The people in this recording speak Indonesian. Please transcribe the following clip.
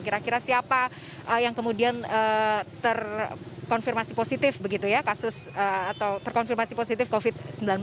kira kira siapa yang kemudian terkonfirmasi positif begitu ya kasus atau terkonfirmasi positif covid sembilan belas